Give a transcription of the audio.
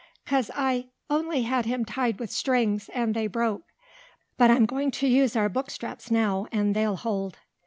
"'Cause I only had him tied with strings, and they broke. But I'm going to use our book straps now, and they'll hold."